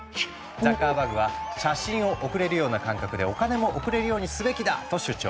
ザッカーバーグは「写真を送れるような感覚でお金も送れるようにすべきだ」と主張。